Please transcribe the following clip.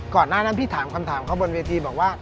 ก่อนหน้านั้นพี่ถามคำถามเขาบนเวทีบอกว่า